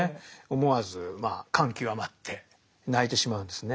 思わず感極まって泣いてしまうんですね。